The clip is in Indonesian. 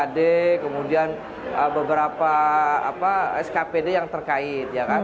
sd kemudian beberapa skpd yang terkait